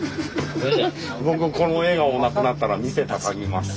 僕この笑顔なくなったら店畳みます。